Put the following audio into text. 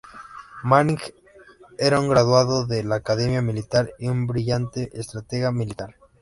Manning era un graduado de la academia militar, y un brillante estratega militar.